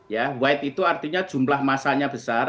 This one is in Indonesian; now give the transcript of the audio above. ya white itu artinya jumlah masanya besar